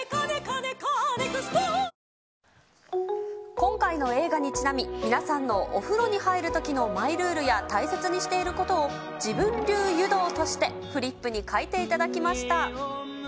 今回の映画にちなみ、皆さんのお風呂に入るときのマイルールや大切にしていることを自分流湯道としてフリップに書いていただきました。